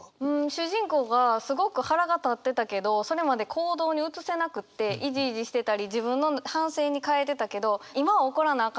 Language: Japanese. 主人公がすごく腹が立ってたけどそれまで行動に移せなくっていじいじしてたり自分の反省に変えてたけど今は怒らなあ